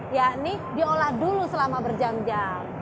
yakni diolah dulu selama berjam jam